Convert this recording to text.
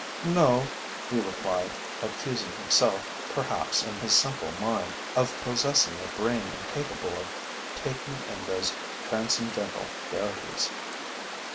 'No,' he replied, accusing himself, perhaps, in his simple mind, of possessing a brain incapable of taking in those transcendental verities.